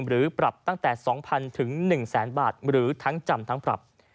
หรือปรับตั้งแต่๒๐๐๐ถึง๑แสนบาทหรือทั้งจำทั้งปรับ